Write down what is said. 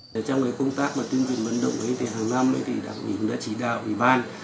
trong công tác tuyên truyền vận động hàng năm đặc biệt đã chỉ đạo ủy ban